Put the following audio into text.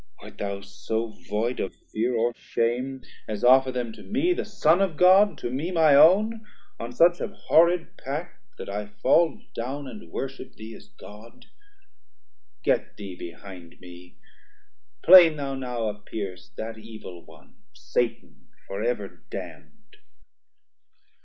Wert thou so void of fear or shame, As offer them to me the Son of God, 190 To me my own, on such abhorred pact, That I fall down and worship thee as God? Get thee behind me; plain thou now appear'st That Evil one, Satan for ever damn'd.